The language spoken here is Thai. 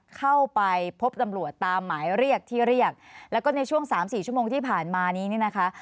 เข้าไปพบตำรวจตามหมายเรียกที่เรียกแล้วก็ในช่วงสามสี่ชั่วโมงที่ผ่านมานี้เนี่ยนะคะ